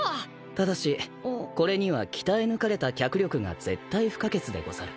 ただしこれには鍛え抜かれた脚力が絶対不可欠でござる。